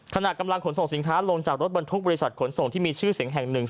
ขณะกำลังขนส่งสินค้าลงจากรถบรรทุกบริษัทขนส่งที่มีชื่อเสียงแห่งหนึ่ง